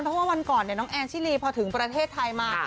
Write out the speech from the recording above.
เพราะวันก่อนเนี่ยเน้องแอร์จิลีพอถึงประเทศไทยมา